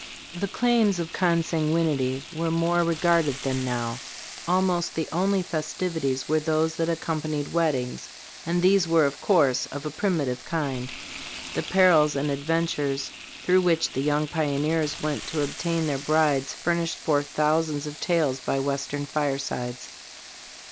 The claims of consanguinity were more regarded than now. Almost the only festivities were those that accompanied weddings, and these were, of course, of a primitive kind. The perils and adventures through which the young pioneers went to obtain their brides furnish forth thousands of tales by Western firesides.